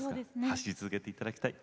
走り続けていただきたい。